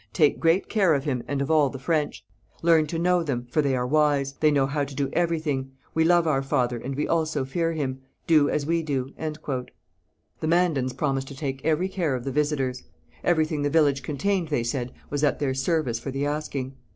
'Take great care of him, and of all the French. Learn to know them, for they are wise; they know how to do everything. We love our father, and we also fear him. Do as we do.' The Mandans promised to take every care of the visitors. Everything the village contained, they said, was at their service for the asking.